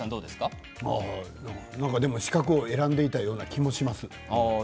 なんかでも、四角を選んでいたような気もします。